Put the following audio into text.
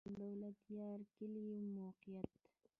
د دولتيار کلی موقعیت